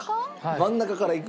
真ん中からいく？